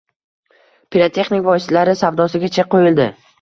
Pirotexnika vositalari savdosiga chek qo‘yildi